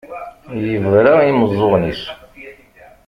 Yebra i yimeẓẓuɣen-is.